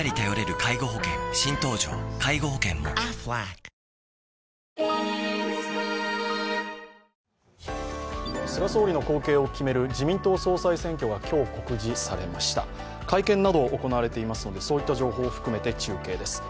会見など行われていますのでそういった情報を含めて中継です。